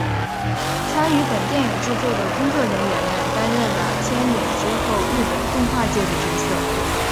参与本电影制作的工作人员们担任了牵引之后日本动画界的角色。